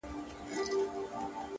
د ژوند پر هره لار چي ځم يوه بلا وينم;